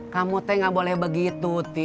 kamu teh nggak boleh begitu